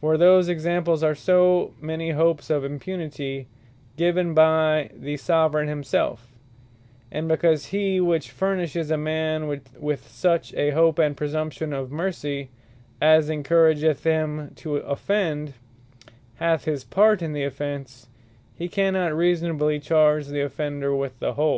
For those Examples, are so many hopes of Impunity given by the Soveraign himselfe: And because he which furnishes a man with such a hope, and presumption of mercy, as encourageth him to offend, hath his part in the offence; he cannot reasonably charge the offender with the whole.